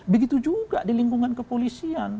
begitu juga di lingkungan kepolisian